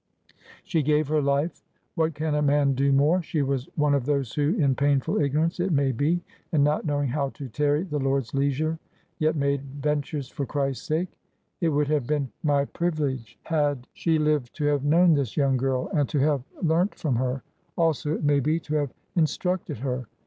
She gave her life ; what can a man do more ? She was one of those who, in painful ignorance it maybe, and not know ing how to * tarry the Lord's leisure/ yet made * ventures for Christ's sake/ It would have been my privilege had 3i6 TRANSITION. she lived to have known this young girl and to have learnt from her ; also, it may be, to have instructed her.